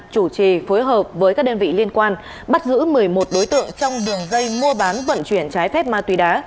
chủ trì phối hợp với các đơn vị liên quan bắt giữ một mươi một đối tượng trong đường dây mua bán vận chuyển trái phép ma túy đá